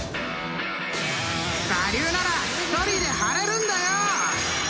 ［我流なら１人で貼れるんだよ！］